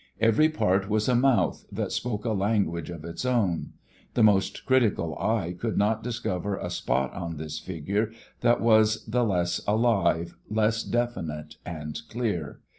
Every part was a mouth that spoke a language of its own. The most critical eye could not discover a spot on this figure that was the less alive, less definite and clear.